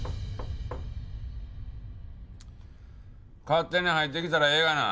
勝手に入ってきたらええがな。